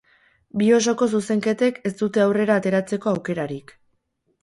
Bi osoko zuzenketek ez dute aurrera ateratzeko aukerarik.